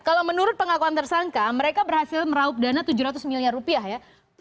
kalau menurut pengakuan tersangka mereka berhasil meraup dana tujuh ratus miliar rupiah ya